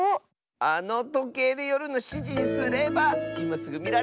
あのとけいでよるの７じにすればいますぐみられるッス！